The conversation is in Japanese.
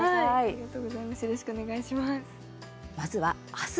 ありがとうございます。